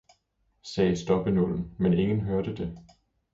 sagde stoppenålen, men ingen hørte det.